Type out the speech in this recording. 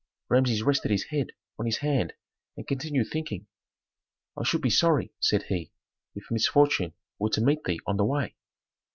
Rameses rested his head on his hand and continued thinking. "I should be sorry," said he, "if misfortune were to meet thee on the way."